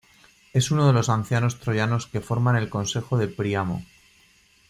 Es uno de los ancianos troyanos que forman el consejo de Príamo.